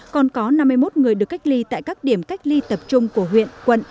còn có năm mươi một người được cách ly tại các điểm cách ly tập trung của huyện quận